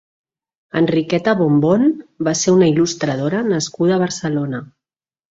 Enriqueta Bombón va ser una il·lustradora nascuda a Barcelona.